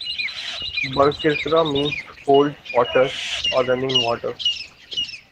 "Birkirkara" means "cold water" or "running water".